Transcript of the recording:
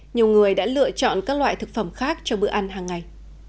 nhiều người đã lựa chọn các loại thực phẩm khác cho bữa ăn hàng ngày